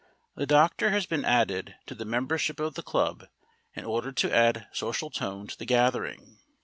The doctor has been added to the membership of the club in order to add social tone to the gathering.